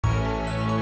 saya akan menanggungmu